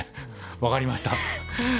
分かりました。